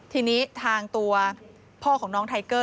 ทีนี้ทางตัวพ่อของน้องไทเกอร์